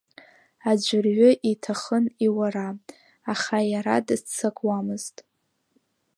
Аӡәырҩы ирҭахын иуара, аха иара дыццакуамызт.